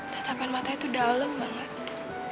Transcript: tatapan matanya tuh dalem banget